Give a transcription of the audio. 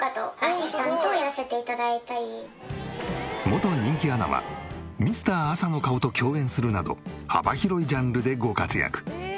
元人気アナはＭｒ．朝の顔と共演するなど幅広いジャンルでご活躍。